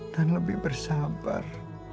dan lebih bersabar